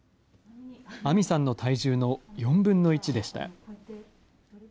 杏美さんの体重の４分の１でした。